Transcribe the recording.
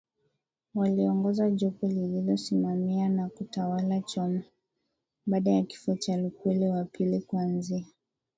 waliongoza jopo lililosimamia na kutawala Choma baada ya kifo cha Lukwele wa pili kuanzia